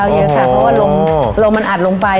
เข้าเยอะค่ะเพราะว่าโรงมันอัดลงไป